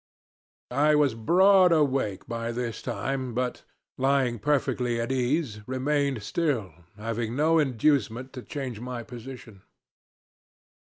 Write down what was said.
"I was broad awake by this time, but, lying perfectly at ease, remained still, having no inducement to change my position.